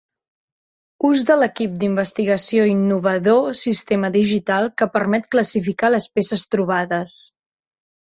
Ús de l'equip d'investigació innovador sistema digital que permet classificar les peces trobades.